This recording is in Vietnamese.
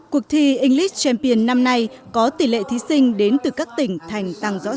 cuộc thi english champion năm nay có tỷ lệ thí sinh đến từ các tỉnh thành tăng rõ rệ